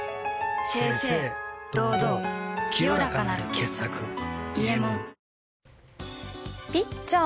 清々堂々清らかなる傑作「伊右衛門」ピッチャー